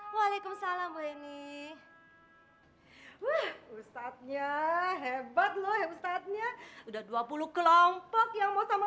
walaikum salam boleh nih hai wah usapnya hebat lo ya ustadznya udah dua puluh kelompok yang mau sama